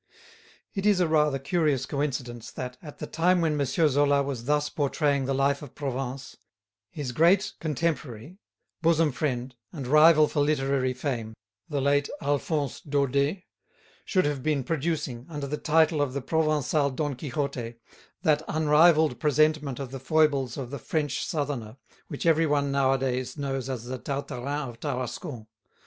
It is a rather curious coincidence that, at the time when M. Zola was thus portraying the life of Provence, his great contemporary, bosom friend, and rival for literary fame, the late Alphonse Daudet, should have been producing, under the title of "The Provencal Don Quixote," that unrivalled presentment of the foibles of the French Southerner, with everyone nowadays knows as "Tartarin of Tarascon."